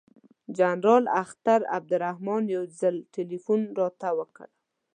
جنرال اختر عبدالرحمن یو ځل تلیفون راته وکړ.